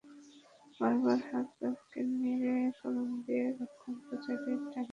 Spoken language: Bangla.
বারবার হাত নেড়ে কলম্বিয়ার রক্ষণপ্রাচীরের ডানে দাঁড়িয়ে থাকা ফ্রেডকে সরতে বলছিলেন।